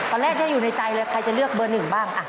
ตอนแรกยังอยู่ในใจเลยใครจะเลือกเบอร์หนึ่งบ้าง